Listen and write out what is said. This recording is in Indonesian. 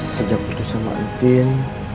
sejak putus sama antin